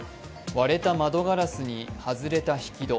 割れた窓ガラスに、外れた引き戸。